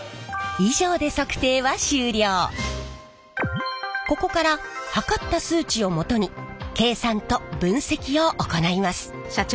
以上でここから測った数値をもとに計算と分析を行います。